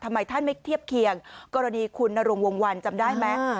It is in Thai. ทำไมท่านไม่เทียบเคียงกรณีคุณนรงวงวันจำได้ไหม